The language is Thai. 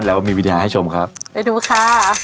แล้วมีวิทยาให้ชมครับไปดูค่ะ